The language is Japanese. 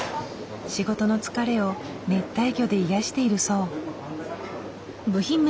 仕事の疲れを熱帯魚で癒やしているそう。